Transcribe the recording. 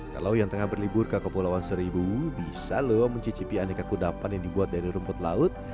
kalau yang tengah berlibur ke kepulauan seribu bisa lho mencicipi aneka kudapan yang dibuat dari rumput laut